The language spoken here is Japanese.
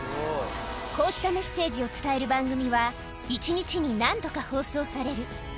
こうしたメッセージを伝える番組は、１日に何度か放送される。